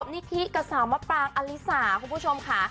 พร้อมนิทิกับสาวมะปรางอลิสาของคุณผู้ชมค่ะ